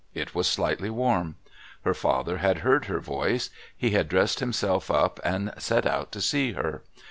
It was slightly warm. Her father had heard her voice. He had dressed himself up and set out to see her.